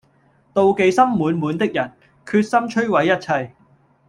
妒忌心裏滿滿的人，決心摧毀一切